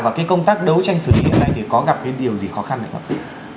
và cái công tác đấu tranh xử lý hiện nay thì có gặp cái điều gì khó khăn này không